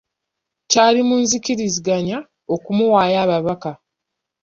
Kyali mu nzikiriziganya okumuwaayo ababaka.